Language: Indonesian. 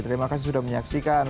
terima kasih sudah menyaksikan